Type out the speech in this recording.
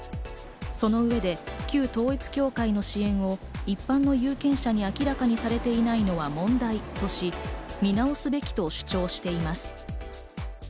その上で旧統一教会の支援も一般の有権者に明らかにされていないのは問題とし、見直すべきと主張しています。